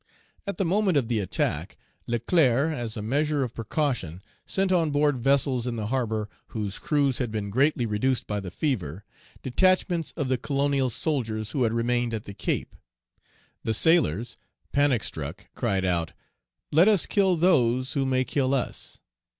At the moment of the attack, Leclerc, as a measure of precaution, sent on board vessels in the harbor, whose crews had been greatly reduced by the fever, detachments of the colonial soldiers who had remained at the Cape. The sailors, panic struck, cried out, "Let us kill those who may kill us."